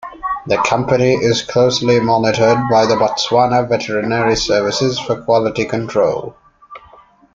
The company is closely monitored by the Botswana Veterinary Services for quality control.